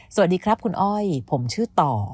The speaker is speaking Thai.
สวัสดีครับคุณอ้อยผมชื่อต่อ